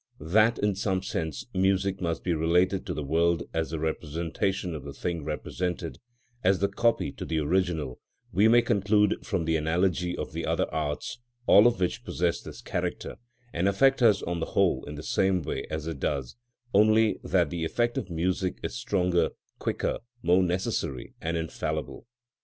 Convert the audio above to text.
That in some sense music must be related to the world as the representation to the thing represented, as the copy to the original, we may conclude from the analogy of the other arts, all of which possess this character, and affect us on the whole in the same way as it does, only that the effect of music is stronger, quicker, more necessary and infallible.